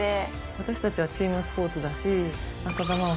私たちはチームスポーツだし。